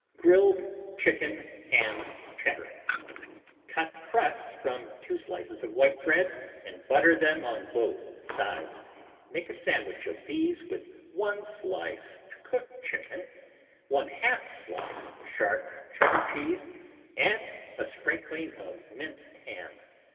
G Grilled Chicken Ham Cheddar Cut crusts from 2 slices of white bread and butter them on both sides. Make a sandwich of these with 1 slice cooked chicken, 1/2 slice sharp Cheddar cheese, and a sprinkling of minced ham.